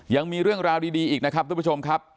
ยังมีเรื่องราวดีอีกนะครับทุกผู้ชมครับ